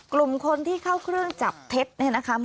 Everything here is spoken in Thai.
กลุ่มคนที่เข้าเครื่องจับเท็จเนี่ยนะคะ